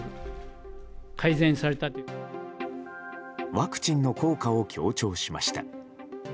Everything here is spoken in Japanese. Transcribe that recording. ワクチンの効果を強調しました。